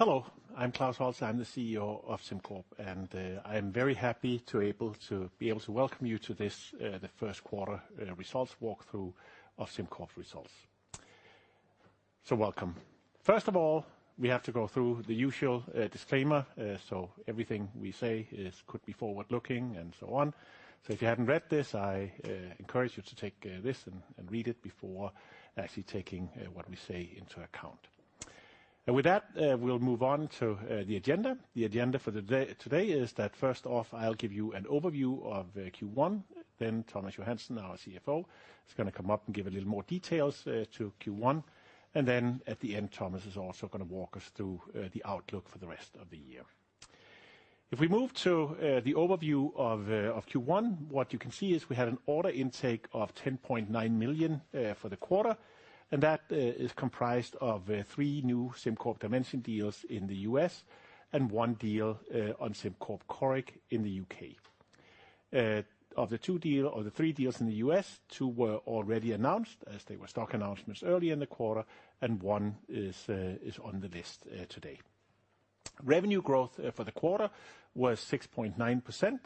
Hello, I'm Klaus Holse, the CEO of SimCorp. I'm very happy to be able to welcome you to this, the first quarter results walkthrough of SimCorp results. Welcome. First of all, we have to go through the usual disclaimer. Everything we say could be forward-looking and so on. If you haven't read this, I encourage you to take this and read it before actually taking what we say into account. With that, we'll move on to the agenda. The agenda for today is that first off, I'll give you an overview of Q1, then Thomas Johansen, our CFO, is going to come up and give a little more details to Q1. At the end, Thomas is also going to walk us through the outlook for the rest of the year. If we move to the overview of Q1, what you can see is we had an order intake of 10.9 million for the quarter, and that is comprised of three new SimCorp Dimension deals in the U.S. and one deal on SimCorp Coric in the U.K. Of the three deals in the U.S., two were already announced as they were stock announcements early in the quarter, and one is on the list today. Revenue growth for the quarter was 6.9%.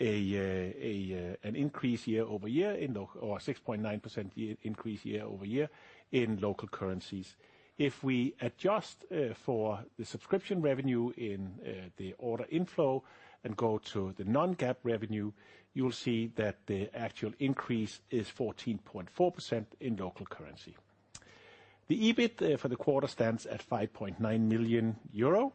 An increase year-over-year, or a 6.9% increase year-over-year in local currencies. If we adjust for the subscription revenue in the order inflow and go to the non-GAAP revenue, you'll see that the actual increase is 14.4% in local currency. The EBIT for the quarter stands at 5.9 million euro,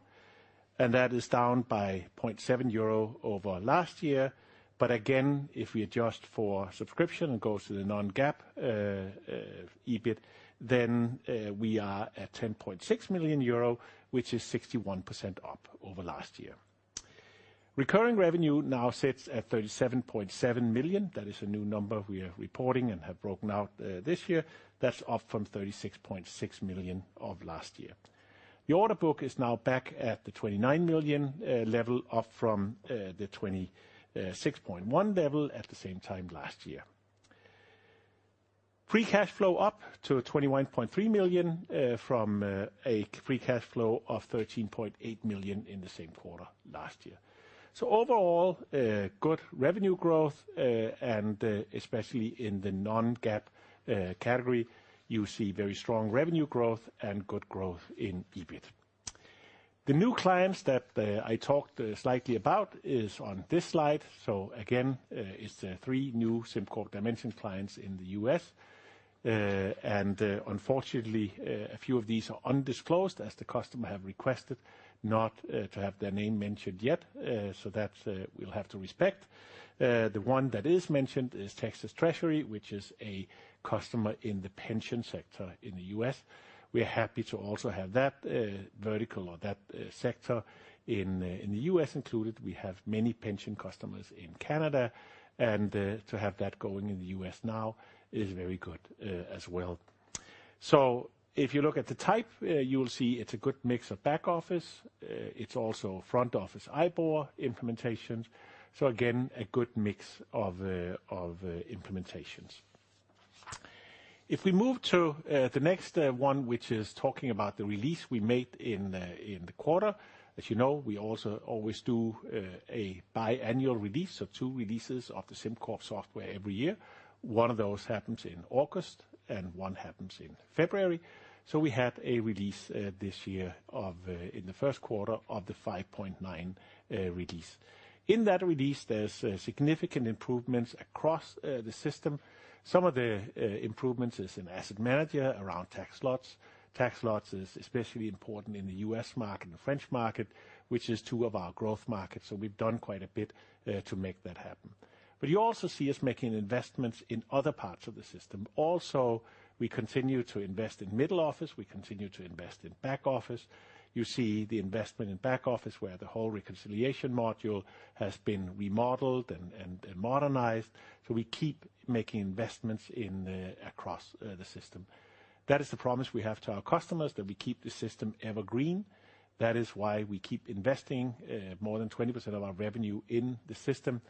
and that is down by 0.7 euro over last year. Again, if we adjust for subscription and go to the non-GAAP EBIT, then we are at 10.6 million euro, which is 61% up over last year. Recurring revenue now sits at 37.7 million. That is a new number we are reporting and have broken out this year. That's up from 36.6 million of last year. The order book is now back at the 29 million level, up from the 26.1 million level at the same time last year. Free cash flow up to 21.3 million from a free cash flow of 13.8 million in the same quarter last year. Overall, good revenue growth, and especially in the non-GAAP category, you see very strong revenue growth and good growth in EBIT. The new clients that I talked slightly about is on this slide. Again, it's the three new SimCorp Dimension clients in the U.S. Unfortunately, a few of these are undisclosed as the customer have requested not to have their name mentioned yet. That we'll have to respect. The one that is mentioned is Texas Treasury, which is a customer in the pension sector in the U.S. We're happy to also have that vertical or that sector in the U.S. included. We have many pension customers in Canada, and to have that going in the U.S. now is very good as well. If you look at the type, you will see it's a good mix of back office. It's also front office IBOR implementations. Again, a good mix of implementations. If we move to the next one, which is talking about the release we made in the quarter. As you know, we also always do a biannual release, so two releases of the SimCorp software every year. One of those happens in August and one happens in February. We had a release this year in the first quarter of the 5.9 release. In that release, there's significant improvements across the system. Some of the improvements is in Asset Manager around tax lots. Tax lots is especially important in the U.S. market and the French market, which is two of our growth markets. We've done quite a bit to make that happen. You also see us making investments in other parts of the system. We continue to invest in middle office, we continue to invest in back office. You see the investment in back office, where the whole reconciliation module has been remodeled and modernized. We keep making investments across the system. That is the promise we have to our customers, that we keep the system evergreen. That is why we keep investing more than 20% of our revenue in the system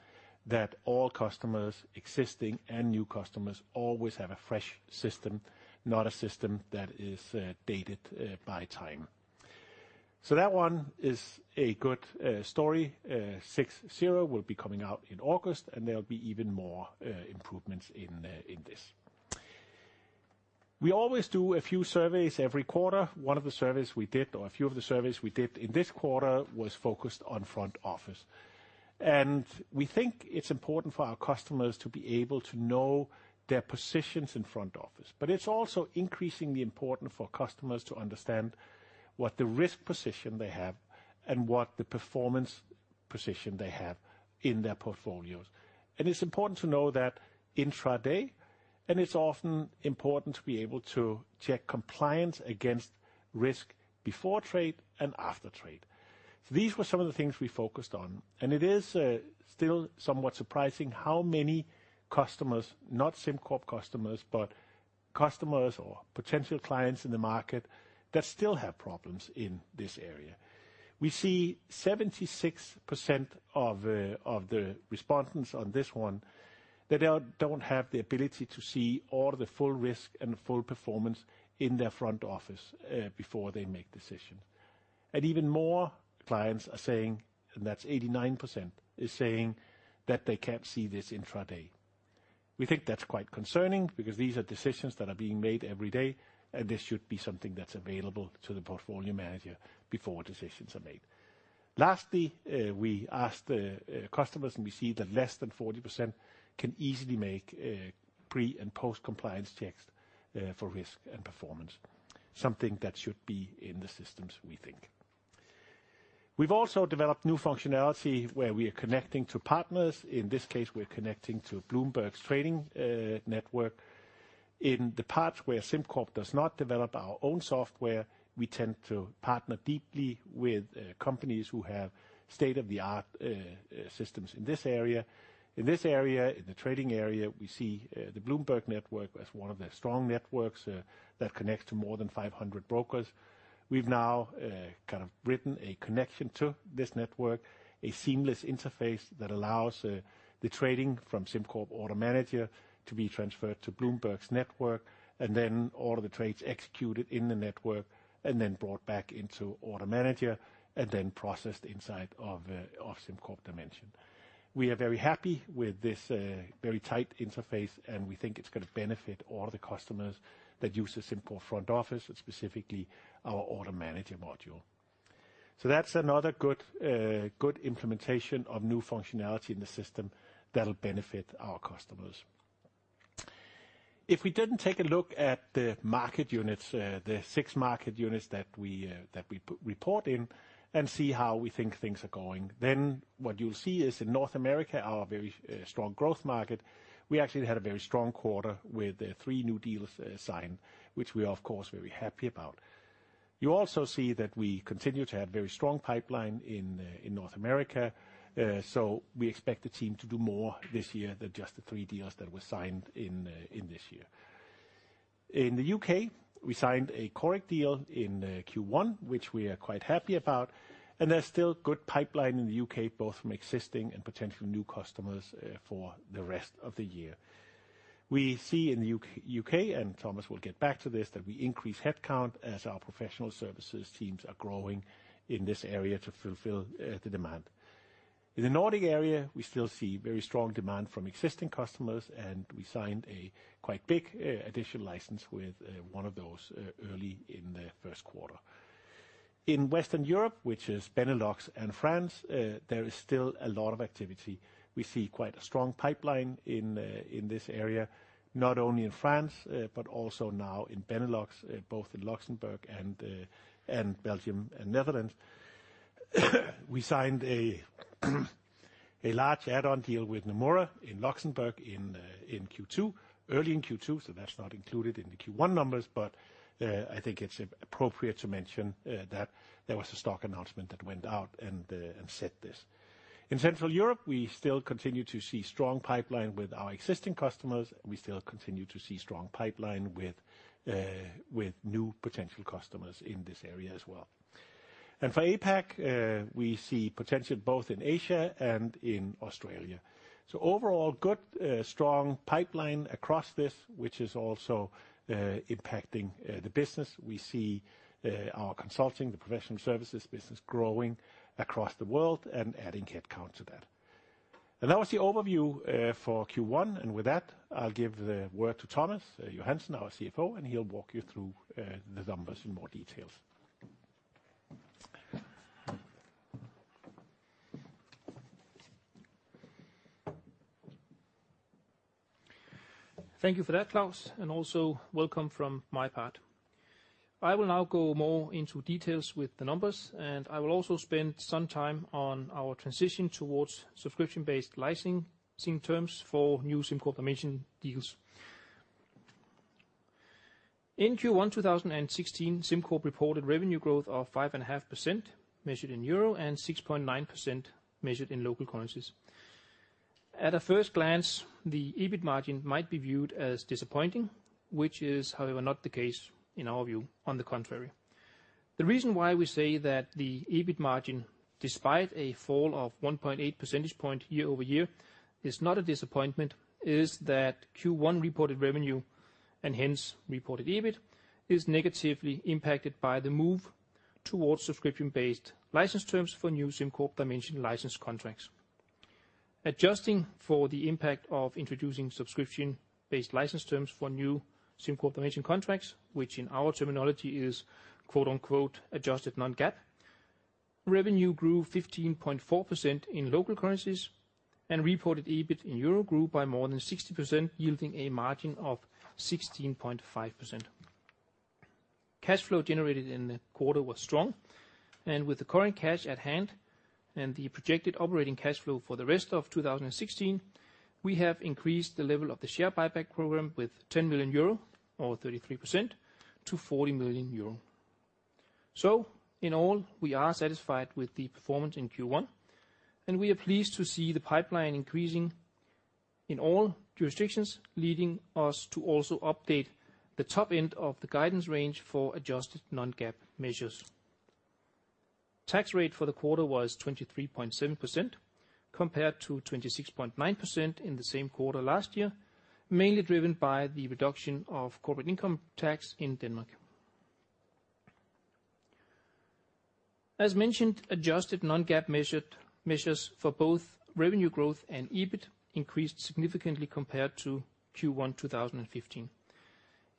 that all customers, existing and new customers, always have a fresh system, not a system that is dated by time. That one is a good story. 6.0 will be coming out in August, there'll be even more improvements in this. We always do a few surveys every quarter. One of the surveys we did, or a few of the surveys we did in this quarter was focused on front office. We think it's important for our customers to be able to know their positions in front office. It's also increasingly important for customers to understand what the risk position they have and what the performance position they have in their portfolios. It's important to know that intraday, it's often important to be able to check compliance against risk before trade and after trade. These were some of the things we focused on, it is still somewhat surprising how many customers, not SimCorp customers, but customers or potential clients in the market that still have problems in this area. We see 76% of the respondents on this one, they don't have the ability to see all the full risk and full performance in their front office before they make decisions. Even more clients are saying, and that's 89%, is saying that they can't see this intraday. We think that's quite concerning because these are decisions that are being made every day, and this should be something that's available to the portfolio manager before decisions are made. Lastly, we asked the customers and we see that less than 40% can easily make pre- and post-compliance checks for risk and performance. Something that should be in the systems, we think. We've also developed new functionality where we are connecting to partners. In this case, we're connecting to Bloomberg's trading network. In the parts where SimCorp does not develop our own software, we tend to partner deeply with companies who have state-of-the-art systems in this area. In this area, in the trading area, we see the Bloomberg network as one of the strong networks that connects to more than 500 brokers. We've now kind of written a connection to this network, a seamless interface that allows the trading from SimCorp Order Manager to be transferred to Bloomberg's network, and then all of the trades executed in the network, and then brought back into Order Manager, and then processed inside of SimCorp Dimension. We are very happy with this very tight interface, and we think it's going to benefit all the customers that use the SimCorp front office and specifically our Order Manager module. That's another good implementation of new functionality in the system that'll benefit our customers. If we then take a look at the market units, the six market units that we report in and see how we think things are going, then what you'll see is in North America, our very strong growth market, we actually had a very strong quarter with the three new deals signed, which we are of course, very happy about. You also see that we continue to have very strong pipeline in North America. We expect the team to do more this year than just the three deals that were signed in this year. In the U.K., we signed a Coric deal in Q1, which we are quite happy about, and there's still good pipeline in the U.K., both from existing and potential new customers for the rest of the year. We see in the U.K., and Thomas will get back to this, that we increase headcount as our professional services teams are growing in this area to fulfill the demand. In the Nordic area, we still see very strong demand from existing customers, and we signed a quite big additional license with one of those early in the first quarter. In Western Europe, which is Benelux and France, there is still a lot of activity. We see quite a strong pipeline in this area, not only in France but also now in Benelux, both in Luxembourg and Belgium and Netherlands. We signed a large add-on deal with Nomura in Luxembourg in Q2, early in Q2. That's not included in the Q1 numbers, but I think it's appropriate to mention that there was a stock announcement that went out and said this. In Central Europe, we still continue to see strong pipeline with our existing customers, and we still continue to see strong pipeline with new potential customers in this area as well. For APAC, we see potential both in Asia and in Australia. Overall, good strong pipeline across this, which is also impacting the business. We see our consulting, the professional services business growing across the world and adding headcount to that. That was the overview for Q1. With that, I'll give the word to Thomas Johansen, our CFO, and he'll walk you through the numbers in more details. Thank you for that, Klaus, and also welcome from my part. I will now go more into details with the numbers, and I will also spend some time on our transition towards subscription-based licensing terms for new SimCorp Dimension deals. In Q1 2016, SimCorp reported revenue growth of 5.5% measured in EUR and 6.9% measured in local currencies. At a first glance, the EBIT margin might be viewed as disappointing, which is, however, not the case in our view, on the contrary. The reason why we say that the EBIT margin, despite a fall of 1.8 percentage point year-over-year, is not a disappointment is that Q1 reported revenue, and hence reported EBIT, is negatively impacted by the move towards subscription-based license terms for new SimCorp Dimension license contracts. Adjusting for the impact of introducing subscription-based license terms for new SimCorp Dimension contracts, which in our terminology is "adjusted non-GAAP", revenue grew 15.4% in local currencies and reported EBIT in EUR grew by more than 60%, yielding a margin of 16.5%. Cash flow generated in the quarter was strong, and with the current cash at hand and the projected operating cash flow for the rest of 2016, we have increased the level of the share buyback program with 10 million euro or 33% to 40 million euro. In all, we are satisfied with the performance in Q1, and we are pleased to see the pipeline increasing in all jurisdictions, leading us to also update the top end of the guidance range for adjusted non-GAAP measures. Tax rate for the quarter was 23.7% compared to 26.9% in the same quarter last year, mainly driven by the reduction of corporate income tax in Denmark. As mentioned, adjusted non-GAAP measures for both revenue growth and EBIT increased significantly compared to Q1 2015.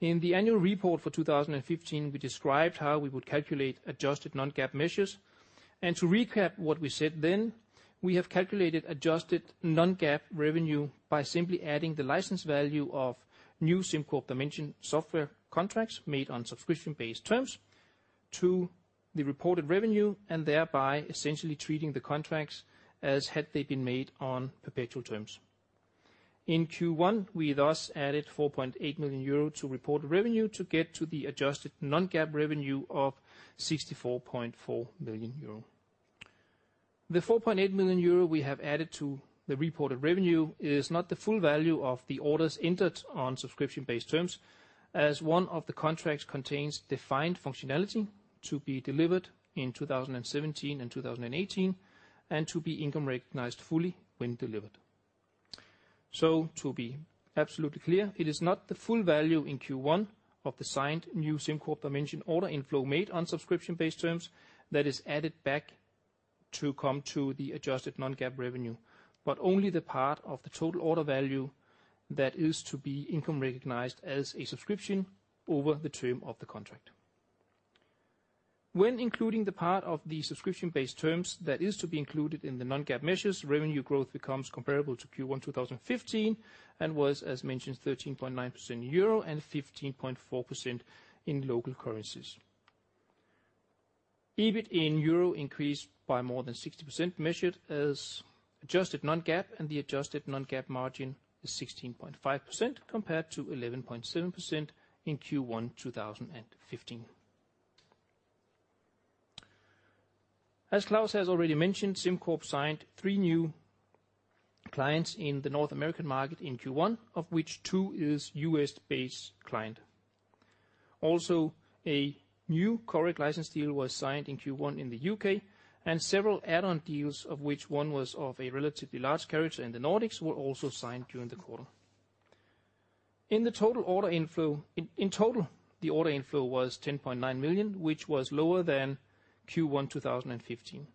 In the annual report for 2015, we described how we would calculate adjusted non-GAAP measures. To recap what we said then, we have calculated adjusted non-GAAP revenue by simply adding the license value of new SimCorp Dimension software contracts made on subscription-based terms to the reported revenue, and thereby essentially treating the contracts as had they been made on perpetual terms. In Q1, we thus added 4.8 million euro to report revenue to get to the adjusted non-GAAP revenue of 64.4 million euro. The 4.8 million euro we have added to the reported revenue is not the full value of the orders entered on subscription-based terms, as one of the contracts contains defined functionality to be delivered in 2017 and 2018, and to be income recognized fully when delivered. To be absolutely clear, it is not the full value in Q1 of the signed new SimCorp Dimension order inflow made on subscription-based terms that is added back to come to the adjusted non-GAAP revenue, but only the part of the total order value that is to be income recognized as a subscription over the term of the contract. When including the part of the subscription-based terms that is to be included in the non-GAAP measures, revenue growth becomes comparable to Q1 2015 and was, as mentioned, 13.9% in EUR and 15.4% in local currencies. EBIT in EUR increased by more than 60%, measured as adjusted non-GAAP and the adjusted non-GAAP margin is 16.5% compared to 11.7% in Q1 2015. As Claus has already mentioned, SimCorp signed three new clients in the North American market in Q1, of which two is U.S.-based client. Also, a new Coric license deal was signed in Q1 in the U.K. and several add-on deals of which one was of a relatively large character in the Nordics, were also signed during the quarter. In total, the order inflow was 10.9 million, which was lower than Q1 2015.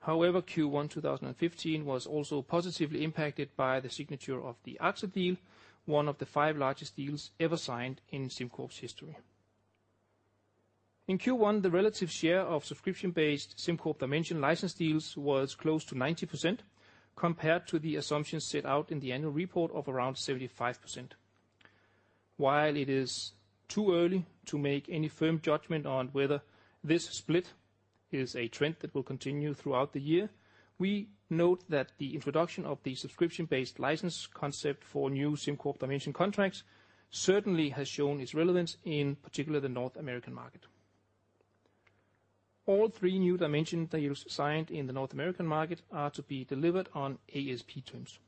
However, Q1 2015 was also positively impacted by the signature of the AXA deal, one of the five largest deals ever signed in SimCorp's history. In Q1, the relative share of subscription-based SimCorp Dimension license deals was close to 90%, compared to the assumptions set out in the annual report of around 75%. While it is too early to make any firm judgment on whether this split is a trend that will continue throughout the year, we note that the introduction of the subscription-based license concept for new SimCorp Dimension contracts certainly has shown its relevance, in particular, the North American market. All three new Dimension deals signed in the North American market are to be delivered on ASP terms.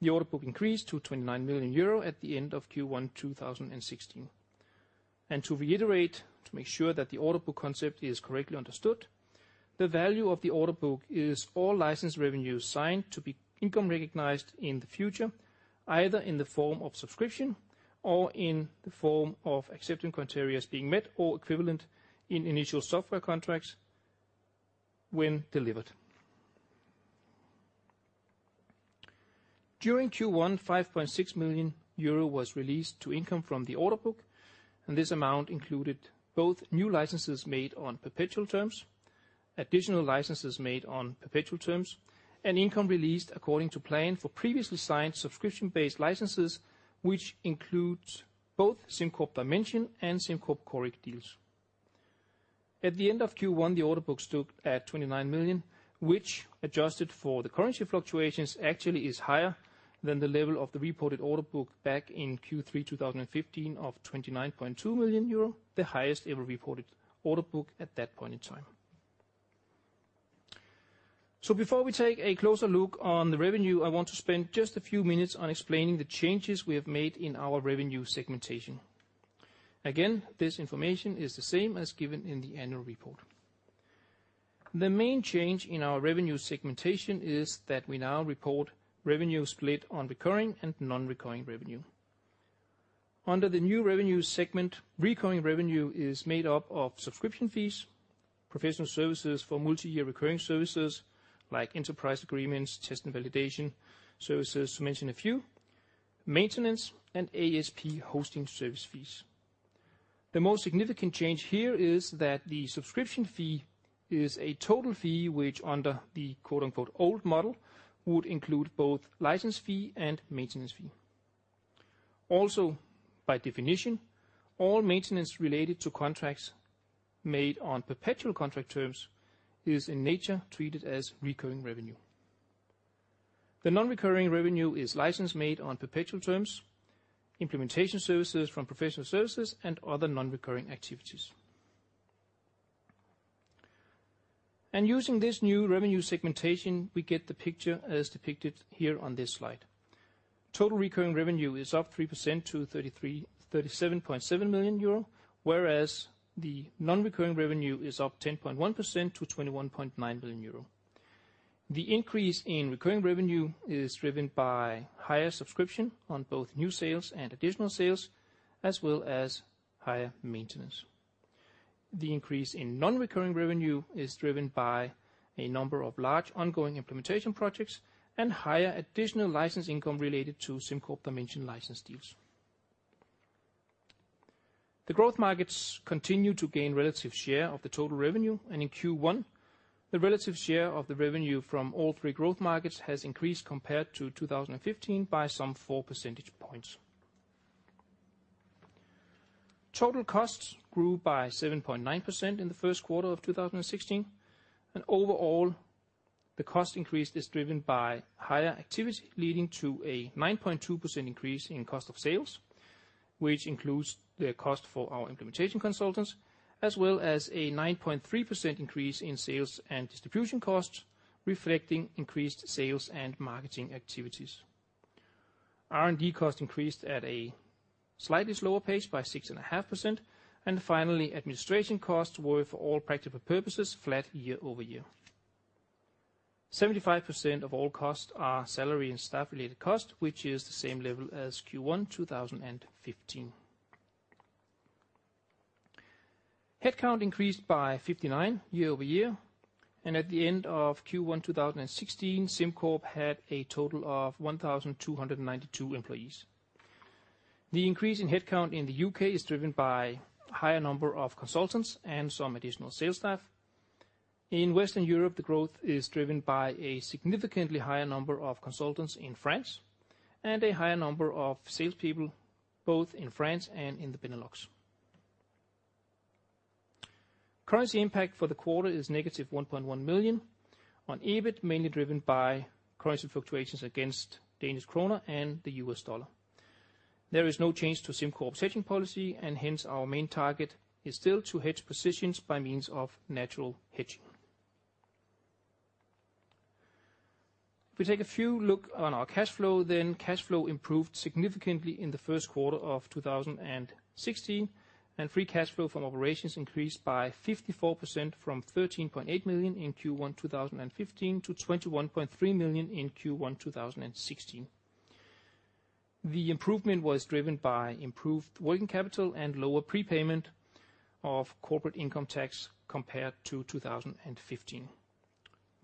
The order book increased to 29 million euro at the end of Q1 2016. To reiterate, to make sure that the order book concept is correctly understood, the value of the order book is all license revenue signed to be income recognized in the future, either in the form of subscription or in the form of acceptance criteria as being met or equivalent in initial software contracts when delivered. During Q1, 5.6 million euro was released to income from the order book, and this amount included both new licenses made on perpetual terms, additional licenses made on perpetual terms, and income released according to plan for previously signed subscription-based licenses, which includes both SimCorp Dimension and SimCorp Coric deals. At the end of Q1, the order book stood at 29 million, which adjusted for the currency fluctuations, actually is higher than the level of the reported order book back in Q3 2015, of 29.2 million euro, the highest ever reported order book at that point in time. Before we take a closer look on the revenue, I want to spend just a few minutes on explaining the changes we have made in our revenue segmentation. Again, this information is the same as given in the annual report. The main change in our revenue segmentation is that we now report revenue split on recurring and non-recurring revenue. Under the new revenue segment, recurring revenue is made up of subscription fees, professional services for multi-year recurring services like enterprise agreements, test and validation services, to mention a few, maintenance, and ASP hosting service fees. The most significant change here is that the subscription fee is a total fee, which under the "old model" would include both license fee and maintenance fee. Also, by definition, all maintenance related to contracts made on perpetual contract terms is in nature treated as recurring revenue. The non-recurring revenue is license made on perpetual terms, implementation services from professional services, and other non-recurring activities. Using this new revenue segmentation, we get the picture as depicted here on this slide. Total recurring revenue is up 3% to 37.7 million euro, whereas the non-recurring revenue is up 10.1% to 21.9 million euro. The increase in recurring revenue is driven by higher subscription on both new sales and additional sales, as well as higher maintenance. The increase in non-recurring revenue is driven by a number of large ongoing implementation projects and higher additional license income related to SimCorp Dimension license deals. The growth markets continue to gain relative share of the total revenue, in Q1, the relative share of the revenue from all three growth markets has increased compared to 2015 by some four percentage points. Total costs grew by 7.9% in the first quarter of 2016. Overall, the cost increase is driven by higher activity, leading to a 9.2% increase in cost of sales, which includes the cost for our implementation consultants, as well as a 9.3% increase in sales and distribution costs, reflecting increased sales and marketing activities. R&D costs increased at a slightly slower pace by 6.5%, finally, administration costs were, for all practical purposes, flat year-over-year. 75% of all costs are salary and staff-related cost, which is the same level as Q1 2015. Headcount increased by 59 year-over-year, at the end of Q1 2016, SimCorp had a total of 1,292 employees. The increase in headcount in the U.K. is driven by higher number of consultants and some additional sales staff. In Western Europe, the growth is driven by a significantly higher number of consultants in France and a higher number of salespeople, both in France and in the Benelux. Currency impact for the quarter is negative 1.1 million on EBIT, mainly driven by currency fluctuations against Danish kroner and the US dollar. There is no change to SimCorp hedging policy, hence, our main target is still to hedge positions by means of natural hedging. If we take a few look on our cash flow, then cash flow improved significantly in the first quarter of 2016. Free cash flow from operations increased by 54% from 13.8 million in Q1 2015 to 21.3 million in Q1 2016. The improvement was driven by improved working capital and lower prepayment of corporate income tax compared to 2015.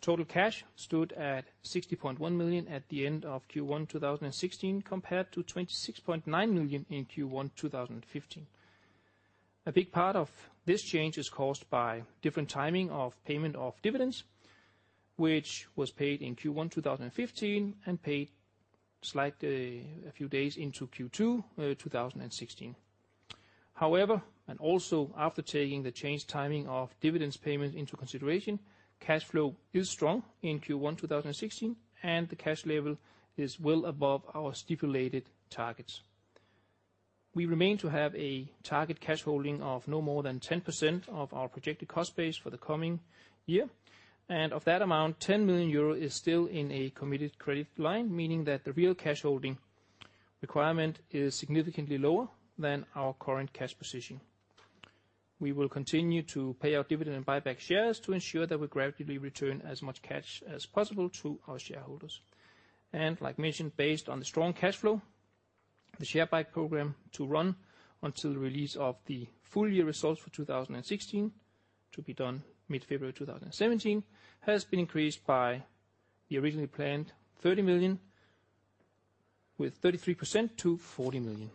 Total cash stood at 60.1 million at the end of Q1 2016, compared to 26.9 million in Q1 2015. A big part of this change is caused by different timing of payment of dividends, which was paid in Q1 2015 and paid slightly a few days into Q2 2016. However, also after taking the changed timing of dividends payment into consideration, cash flow is strong in Q1 2016, and the cash level is well above our stipulated targets. We remain to have a target cash holding of no more than 10% of our projected cost base for the coming year. Of that amount, 10 million euro is still in a committed credit line, meaning that the real cash holding requirement is significantly lower than our current cash position. We will continue to pay our dividend and buy back shares to ensure that we gradually return as much cash as possible to our shareholders. Like mentioned, based on the strong cash flow, the share buy program to run until the release of the full year results for 2016, to be done mid-February 2017, has been increased by the originally planned 30 million with 33% to 40 million.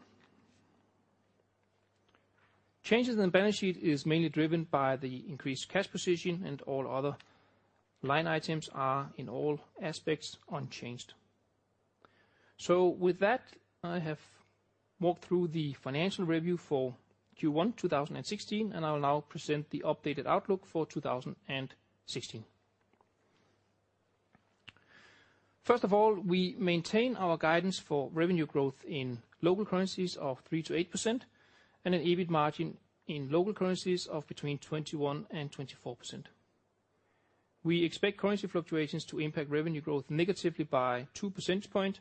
Changes in the balance sheet is mainly driven by the increased cash position, and all other line items are, in all aspects, unchanged. With that, I have walked through the financial review for Q1 2016, and I'll now present the updated outlook for 2016. First of all, we maintain our guidance for revenue growth in local currencies of 3%-8% and an EBIT margin in local currencies of between 21% and 24%. We expect currency fluctuations to impact revenue growth negatively by two percentage points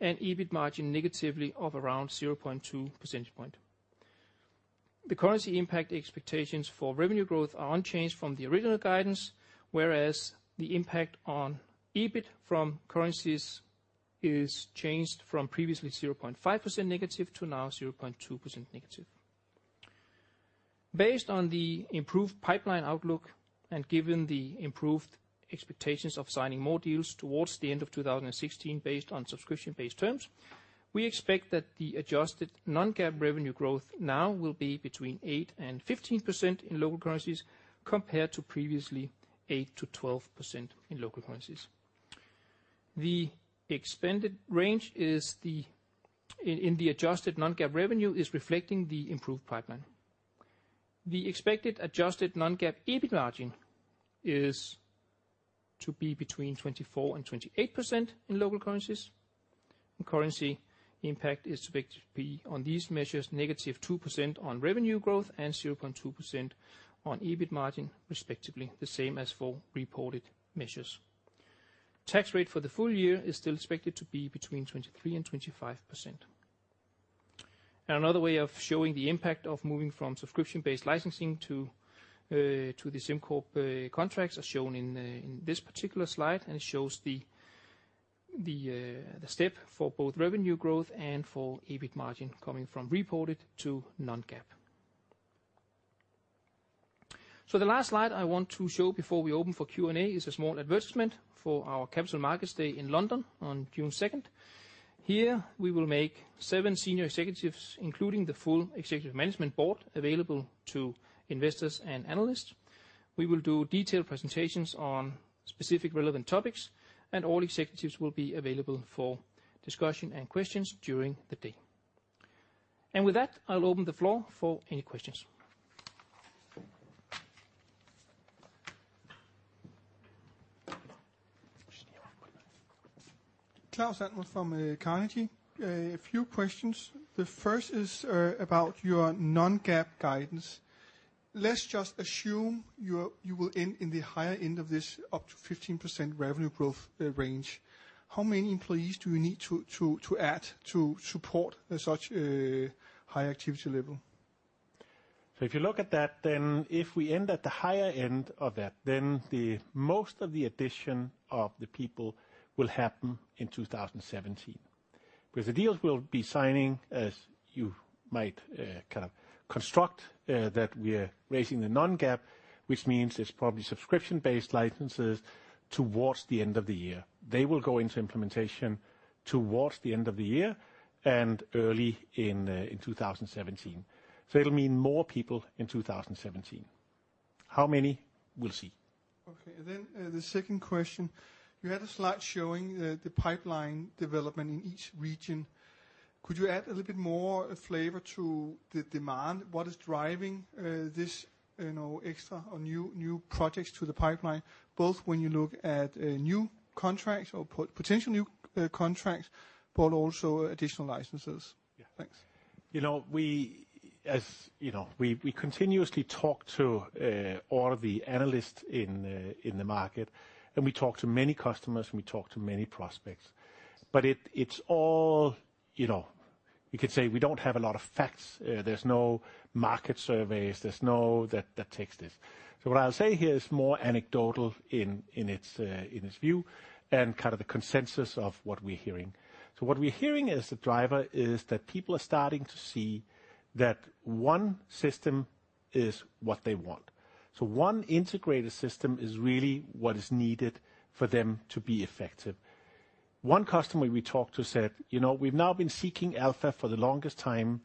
and EBIT margin negatively of around 0.2 percentage point. The currency impact expectations for revenue growth are unchanged from the original guidance, whereas the impact on EBIT from currencies is changed from previously -0.5% to now -0.2%. Based on the improved pipeline outlook and given the improved expectations of signing more deals towards the end of 2016 based on subscription-based terms, we expect that the adjusted non-GAAP revenue growth now will be between 8% and 15% in local currencies, compared to previously 8%-12% in local currencies. The expanded range in the adjusted non-GAAP revenue is reflecting the improved pipeline. The expected adjusted non-GAAP EBIT margin is to be between 24% and 28% in local currencies. Currency impact is expected to be, on these measures, -2% on revenue growth and 0.2% on EBIT margin, respectively, the same as for reported measures. Tax rate for the full year is still expected to be between 23% and 25%. Another way of showing the impact of moving from subscription-based licensing to the SimCorp contracts are shown in this particular slide, and it shows the step for both revenue growth and for EBIT margin coming from reported to non-GAAP. The last slide I want to show before we open for Q&A is a small advertisement for our capital markets day in London on June 2nd. Here, we will make seven senior executives, including the full executive management board, available to investors and analysts. We will do detailed presentations on specific relevant topics, and all executives will be available for discussion and questions during the day. With that, I'll open the floor for any questions. Klaus, analyst from Carnegie. A few questions. The first is about your non-GAAP guidance. Let's just assume you will end in the higher end of this, up to 15% revenue growth range. How many employees do you need to add to support such a high activity level? If you look at that, if we end at the higher end of that, the most of the addition of the people will happen in 2017. With the deals we'll be signing, as you might kind of construct that we're raising the non-GAAP, which means it's probably subscription-based licenses towards the end of the year. They will go into implementation towards the end of the year and early in 2017. It'll mean more people in 2017. How many, we'll see. Okay. The second question, you had a slide showing the pipeline development in each region. Could you add a little bit more flavor to the demand? What is driving these extra or new projects to the pipeline, both when you look at new contracts or potential new contracts, but also additional licenses? Yeah. Thanks. We continuously talk to all of the analysts in the market, and we talk to many customers, and we talk to many prospects. You could say we don't have a lot of facts. There's no market surveys. There's no. What I'll say here is more anecdotal in its view and kind of the consensus of what we're hearing. What we're hearing as the driver is that people are starting to see that one system is what they want. One integrated system is really what is needed for them to be effective. One customer we talked to said, "We've now been seeking alpha for the longest time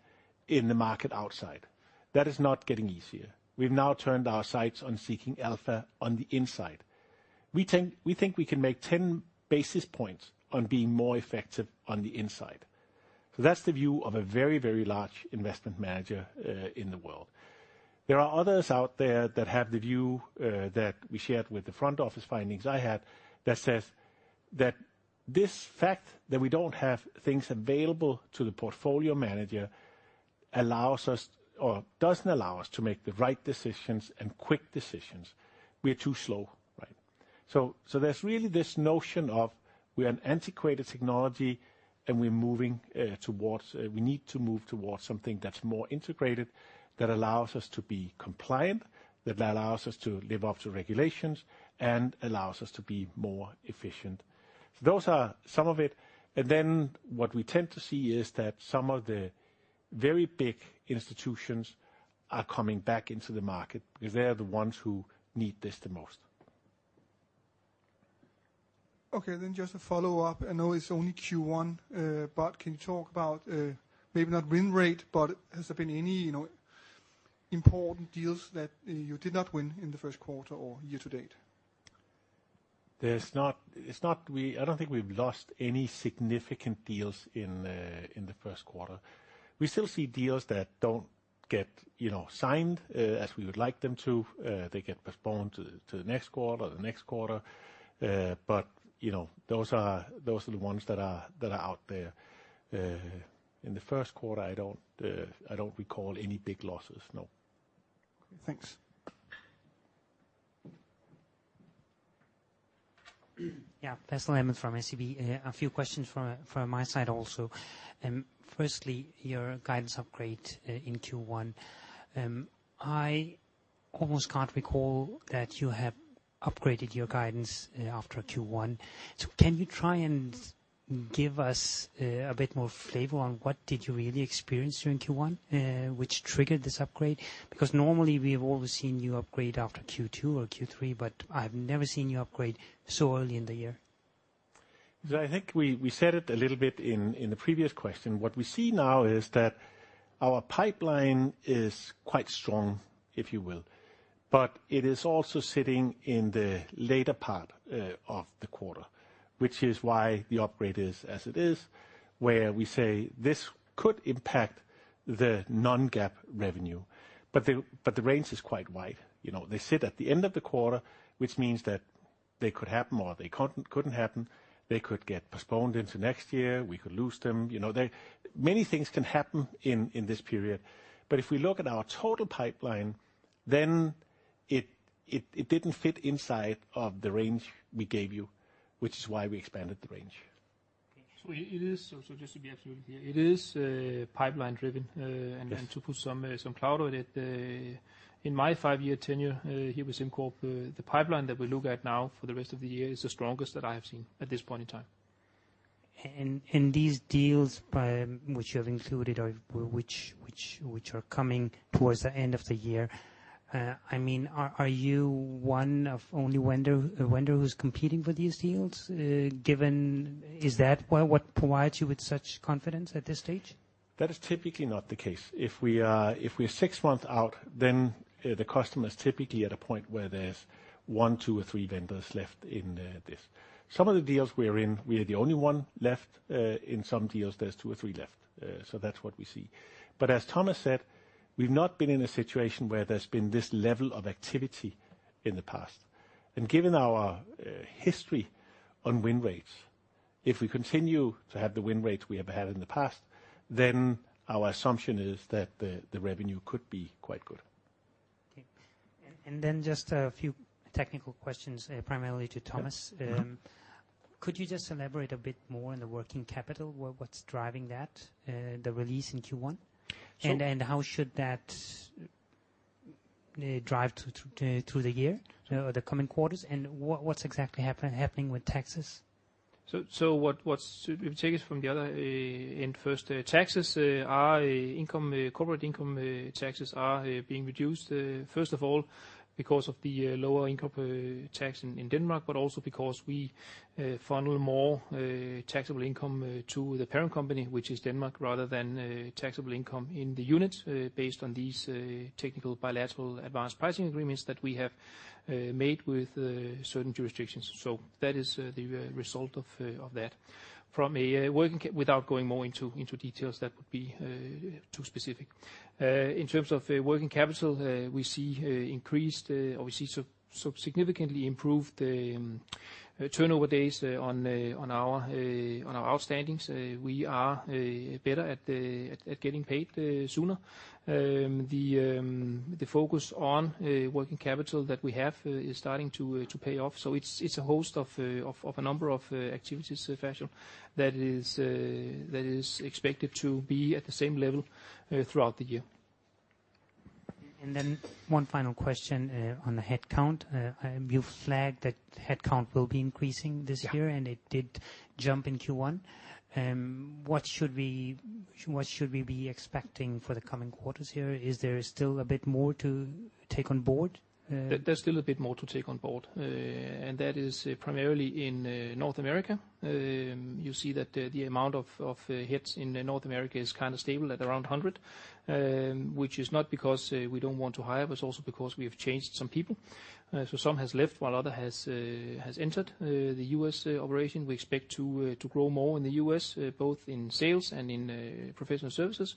in the market outside. That is not getting easier. We've now turned our sights on seeking alpha on the inside. We think we can make 10 basis points on being more effective on the inside." That's the view of a very large investment manager in the world. There are others out there that have the view that we shared with the front-office findings I had that says that this fact that we don't have things available to the portfolio manager doesn't allow us to make the right decisions and quick decisions. We're too slow. There's really this notion of we are an antiquated technology, and we need to move towards something that's more integrated, that allows us to be compliant, that allows us to live up to regulations, and allows us to be more efficient. Those are some of it. What we tend to see is that some of the very big institutions are coming back into the market because they are the ones who need this the most. Just a follow-up. I know it's only Q1, but can you talk about, maybe not win rate, but has there been any important deals that you did not win in the first quarter or year to date? I don't think we've lost any significant deals in the first quarter. We still see deals that don't get signed as we would like them to. They get postponed to the next quarter or the next quarter. Those are the ones that are out there. In the first quarter, I don't recall any big losses, no. Okay, thanks. Yeah. Pascal Emond from SEB. A few questions from my side also. Firstly, your guidance upgrade in Q1. I almost can't recall that you have upgraded your guidance after Q1. Can you try and give us a bit more flavor on what did you really experience during Q1, which triggered this upgrade? Because normally, we have always seen you upgrade after Q2 or Q3, but I've never seen you upgrade so early in the year. I think we said it a little bit in the previous question. What we see now is that our pipeline is quite strong, if you will. It is also sitting in the later part of the quarter, which is why the upgrade is as it is, where we say this could impact the non-GAAP revenue. The range is quite wide. They sit at the end of the quarter, which means that They could happen, or they couldn't happen. They could get postponed into next year. We could lose them. Many things can happen in this period, but if we look at our total pipeline, then it didn't fit inside of the range we gave you, which is why we expanded the range. Just to be absolutely clear, it is pipeline driven. Yes. To put some color on it, in my five-year tenure here with SimCorp, the pipeline that we look at now for the rest of the year is the strongest that I have seen at this point in time. These deals by which you have included or which are coming towards the end of the year, are you one of only vendor who's competing for these deals? Is that what provides you with such confidence at this stage? That is typically not the case. If we're six months out, the customer is typically at a point where there's one, two, or three vendors left in this. Some of the deals we are in, we are the only one left. In some deals, there's two or three left. That's what we see. As Thomas said, we've not been in a situation where there's been this level of activity in the past. Given our history on win rates, if we continue to have the win rates we have had in the past, our assumption is that the revenue could be quite good. Okay. Just a few technical questions, primarily to Thomas. Yeah. Could you just elaborate a bit more on the working capital, what's driving that, the release in Q1? Sure. How should that drive through the year, the coming quarters, and what's exactly happening with taxes? If you take it from the other end first, taxes, our corporate income taxes are being reduced. Because of the lower income tax in Denmark, but also because we funnel more taxable income to the parent company, which is Denmark, rather than taxable income in the unit, based on these technical bilateral Advance Pricing Agreement that we have made with certain jurisdictions. That is the result of that. Without going more into details, that would be too specific. In terms of working capital, we see significantly improved turnover days on our outstandings. We are better at getting paid sooner. The focus on working capital that we have is starting to pay off. It's a host of a number of activities, Pascal Emond, that is expected to be at the same level throughout the year. One final question on the headcount. You've flagged that headcount will be increasing this year. Yeah. It did jump in Q1. What should we be expecting for the coming quarters here? Is there still a bit more to take on board? There's still a bit more to take on board, that is primarily in North America. You see that the amount of heads in North America is kind of stable at around 100, which is not because we don't want to hire, but it's also because we have changed some people. Some has left, while other has entered the U.S. operation. We expect to grow more in the U.S., both in sales and in professional services,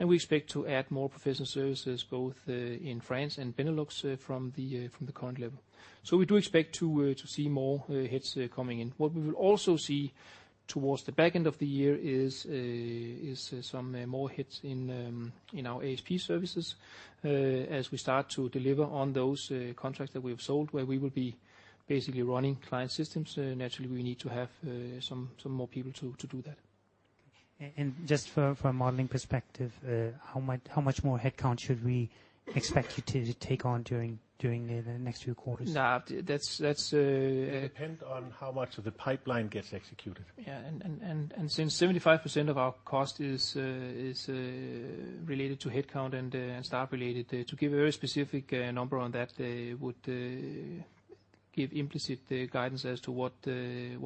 and we expect to add more professional services both in France and Benelux from the current level. We do expect to see more heads coming in. What we will also see towards the back end of the year is some more heads in our ASP services, as we start to deliver on those contracts that we have sold, where we will be basically running client systems. Naturally, we need to have some more people to do that. Just for a modeling perspective, how much more headcount should we expect you to take on during the next few quarters? No, that's. It depends on how much of the pipeline gets executed. Since 75% of our cost is related to headcount and staff related, to give a very specific number on that would give implicit guidance as to what the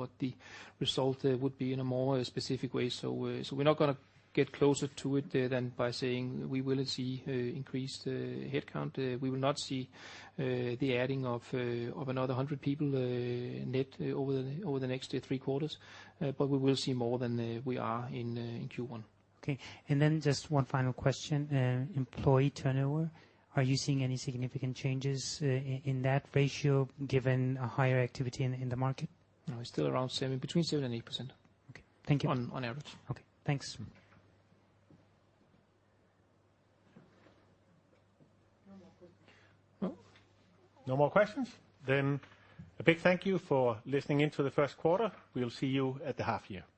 result would be in a more specific way. We're not going to get closer to it than by saying we will see increased headcount. We will not see the adding of another 100 people net over the next three quarters, but we will see more than we are in Q1. Okay. Then just one final question, employee turnover, are you seeing any significant changes in that ratio given a higher activity in the market? No, it's still around between 7% and 8%. Okay. Thank you. On average. Okay, thanks. No more questions. No more questions? A big thank you for listening in to the first quarter. We'll see you at the half year.